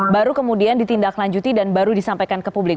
baru kemudian ditindaklanjuti dan baru disampaikan ke publik